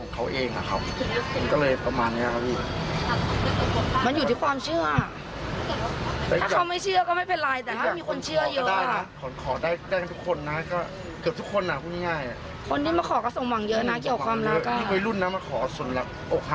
ก็สร้างเป็นตามของเขาเองครับ